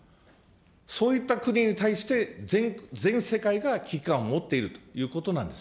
そういった国に対して、全世界が危機感を持っているということなんです。